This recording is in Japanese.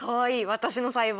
私の細胞。